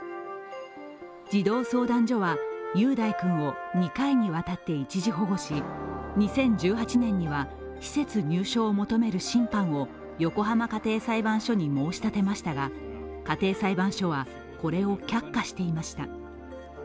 児童相談所は雄大君を２回にわたって、一時保護し２０１８年には施設入所を求める審判を横浜家庭裁判所に申し立てましたが家庭裁判所は、これを却下していました。